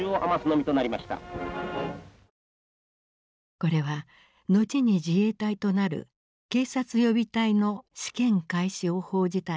これは後に自衛隊となる警察予備隊の試験開始を報じたニュース映像。